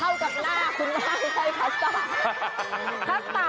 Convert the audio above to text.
หายคร่ะ